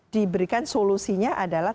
diberikan solusinya adalah